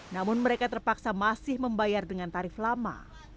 namun mereka terpaksa masih membayar dengan tarif lama